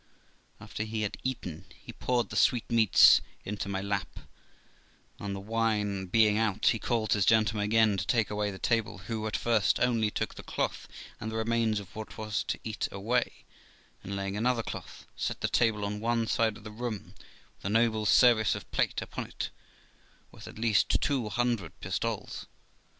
After he had eaten, he poured the sweetmeats into my lap ; and the wine being out, he called his gentleman again to take away the table, who, at first, only took the cloth and the remains of what was to eat away; and, laying another cloth, set the table on one side of the room, with a noble service of plate upon it, worth at least two hundred pistoles.